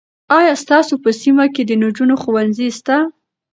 آیا ستاسو په سیمه کې د نجونو ښوونځی سته؟